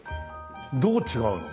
どう違うの？